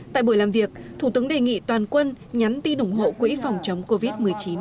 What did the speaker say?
tại buổi làm việc thủ tướng đề nghị toàn quân nhắn tin ủng hộ quỹ phòng chống covid một mươi chín